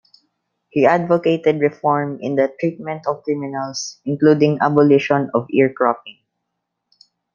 He advocated reform in the treatment of criminals, including abolition of ear cropping.